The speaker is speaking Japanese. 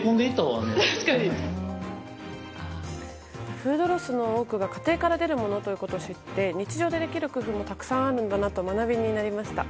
フードロスの多くが家庭から出るものと知って日常でできる工夫もたくさんあるんだなと学びになりました。